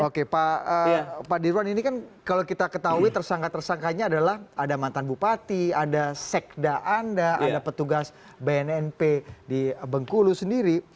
oke pak dirwan ini kan kalau kita ketahui tersangka tersangkanya adalah ada mantan bupati ada sekda anda ada petugas bnnp di bengkulu sendiri